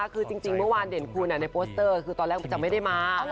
คือจริงเมื่อวานเด่นคุณในโปสเตอร์คือตอนแรกมันจะไม่ได้มา